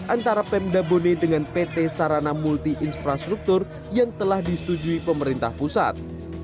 antara pemda bone dengan pt sarana multi infrastruktur yang telah disetujui pemerintah pusat